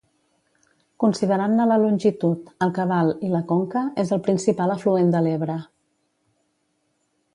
Considerant-ne la longitud, el cabal i la conca, és el principal afluent de l'Ebre.